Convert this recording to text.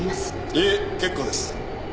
いえ結構です。